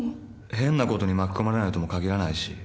変なことに巻き込まれないとも限らないし。